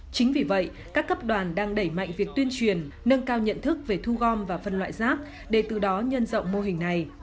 chính vì vậy các cấp đoàn đang đẩy mạnh việc tuyên truyền nâng cao nhận thức về thu gom và phân loại rác để từ đó nhân rộng mô hình này